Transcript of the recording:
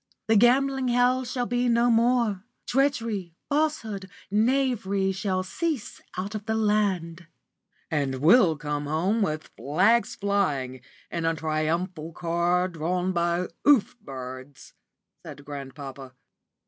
The gambling hell shall be no more; treachery, falsehood, knavery shall cease out of the land." "And we'll come home with flags flying, in a triumphal car drawn by oof birds," said grandpapa.